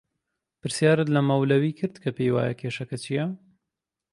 پرسیارت لە مەولەوی کرد کە پێی وایە کێشەکە چییە؟